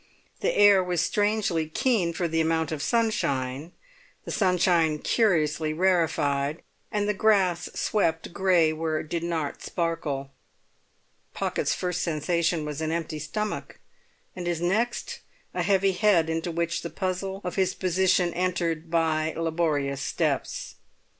The air was strangely keen for the amount of sunshine, the sunshine curiously rarefied, and the grass swept grey where it did not sparkle. Pocket's first sensation was an empty stomach, and his next a heavy head into which the puzzle of his position entered by laborious steps.